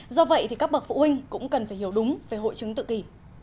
do vậy thì các bậc phụ huynh cũng cần phải hiểu đúng về hội chứng tự kỷ